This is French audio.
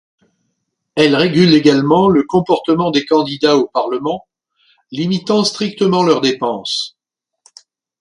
Elle régule également le comportement des candidats au Parlement, limitant strictement leurs dépenses.